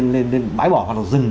nên bãi bỏ hoặc dừng